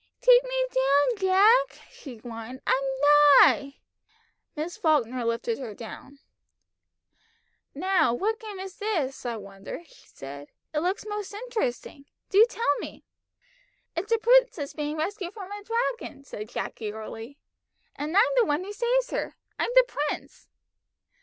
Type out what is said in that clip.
"Take me down, Jack," she whined; "I'm thy!" Miss Falkner lifted her down. "Now, what game is this, I wonder?" she said. "It looks most interesting; do tell me." "It's a princess being rescued from a dragon," said Jack eagerly. "And I'm the one who saves her; I'm the prince!"